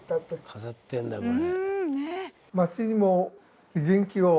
飾ってんだこれ。